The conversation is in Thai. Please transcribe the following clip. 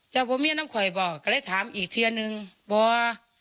เจ้าบอกแม่เมียน้ำขวายบอกก็เลยถามอีกเทียนหนึ่งบอก